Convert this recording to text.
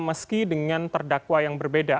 meski dengan terdakwa yang berbeda